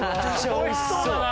美味しそうだな。